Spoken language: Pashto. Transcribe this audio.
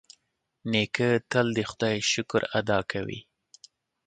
نیکه تل د خدای شکر ادا کوي.